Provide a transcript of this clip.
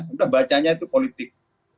udah bacanya itu politik